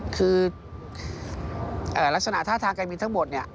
คือลักษณะท่าทางการบินทั้งหมดเนี่ย